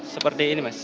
seperti ini mas